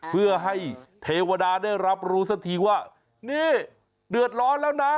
เพื่อให้เทวดาได้รับรู้สักทีว่านี่เดือดร้อนแล้วนะ